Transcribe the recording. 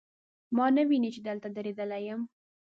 ما نه ویني، چې دلته دریدلی یم